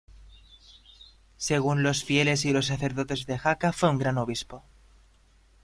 Según los fieles y los sacerdotes de Jaca fue un gran obispo.